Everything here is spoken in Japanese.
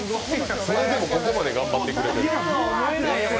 それでもここまで頑張ってくれてる。